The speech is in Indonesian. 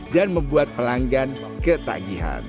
dan membuat pelanggan ketagihan